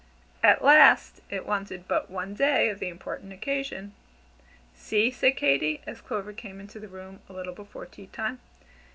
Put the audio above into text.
At last it wanted but one day of the important occasion. "See," said Katy, as Clover came into the room a little before tea time.